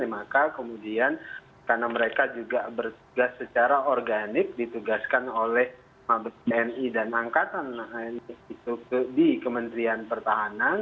maka kemudian karena mereka juga bertugas secara organik ditugaskan oleh mabes tni dan angkatan itu di kementerian pertahanan